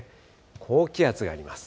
高気圧があります。